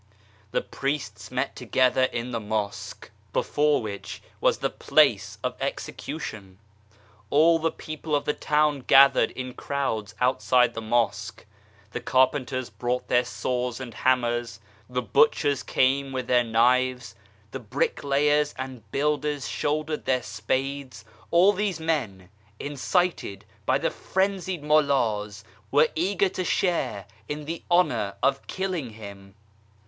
The priests met together in the Mosque, before which 68 BAHA'U'LLAH was the place of execution. All the people of the town gathered in crowds outside the Mosque. The carpenters brought their saws and hammers, the butchers came with their knives, the bricklayers and builders shouldered their spades, all these men, incited by the frenzied Mullahs, were eager to share in the honour of killing him.